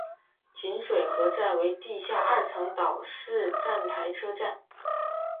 锦水河站为地下二层岛式站台车站。